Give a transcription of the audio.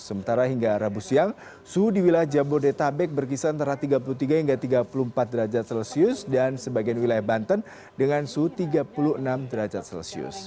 sementara hingga rabu siang suhu di wilayah jabodetabek berkisar antara tiga puluh tiga hingga tiga puluh empat derajat celcius dan sebagian wilayah banten dengan suhu tiga puluh enam derajat celcius